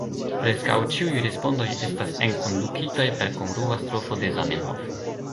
Preskaŭ ĉiuj respondoj estas enkondukitaj per kongrua strofo de Zamenhof.